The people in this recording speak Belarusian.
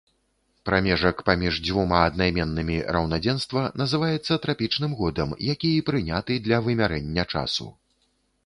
Прамежак паміж дзвюма аднайменнымі раўнадзенства называецца трапічным годам, які і прыняты для вымярэння часу.